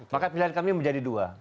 maka pilihan kami menjadi dua